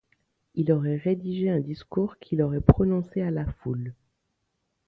Il aurait rédigé un discours qu'il aurait prononcé à la foule.